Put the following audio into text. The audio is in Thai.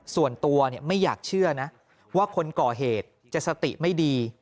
ส่วนตัวไม่อยากเชื่อนะว่าคนก่อเหตุจะสติไม่ดี